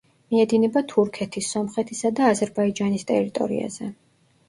მიედინება თურქეთის, სომხეთის და აზერბაიჯანის ტერიტორიაზე.